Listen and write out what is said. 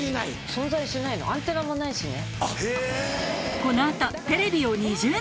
存在しないのアンテナもないしね。